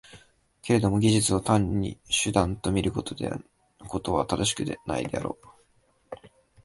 けれども技術を単に手段と見ることは正しくないであろう。